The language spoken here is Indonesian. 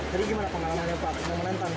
jadi gimana pengalamannya pak